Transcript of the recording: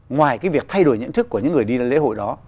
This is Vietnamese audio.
ngoài cái việc thay đổi nhận thức của những người đi lên lễ hội đó